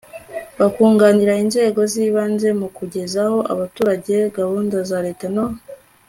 bakunganira inzego z ibanze mu kugezaho abaturage gahunda za leta no